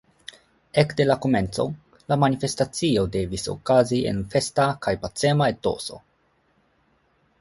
Ekde la komenco, la manifestacio devis okazi en festa kaj pacema etoso.